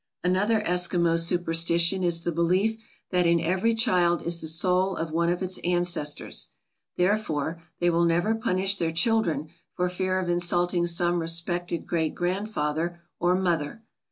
Another Eskimo superstition is the belief that in every child is the soul of one of its ancestors. Therefore, they will never punish their children for fear of insulting some respected great grandfather or mother.